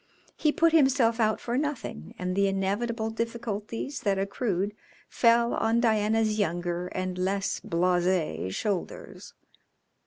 He put himself out for nothing, and the inevitable difficulties that accrued fell on Diana's younger and less blase shoulders.